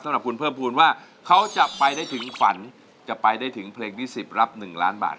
สำหรับคุณเพิ่มภูมิว่าเขาจะไปได้ถึงฝันจะไปได้ถึงเพลงที่๑๐รับ๑ล้านบาท